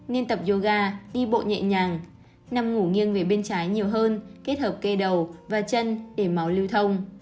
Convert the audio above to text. nên tập yoga đi bộ nhẹ nhàng nằm ngủ nghiêng về bên trái nhiều hơn kết hợp cây đầu và chân để máu lưu thông